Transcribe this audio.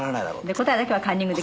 で答えだけはカンニングで。